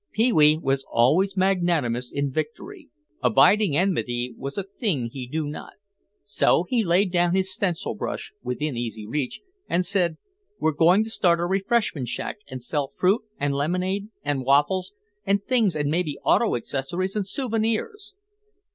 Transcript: Pee wee was always magnanimous in victory. Abiding enmity was a thing he knew not. So now he laid down his stencil brush (within easy reach) and said, "We're going to start a refreshment shack and sell fruit and lemonade and waffles and things and maybe auto accessories and souvenirs."